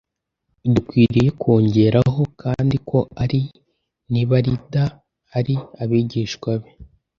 Dukwiriye kongeraho kandi ko ari nibarida, ari abigishwa be,